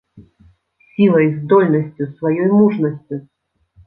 Сілай, здольнасцю, сваёй мужнасцю.